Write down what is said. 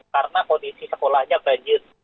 karena kondisi sekolahnya banjir